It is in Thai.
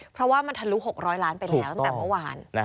เพราะว่ามันทะลุ๖๐๐ล้านไปแล้วตั้งแต่เมื่อวาน